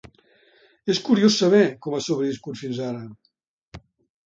És curiós saber com ha sobreviscut fins ara.